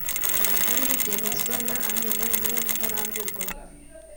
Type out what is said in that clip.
Ibi kandi byemezwa na Amina Nyiramutarambirwa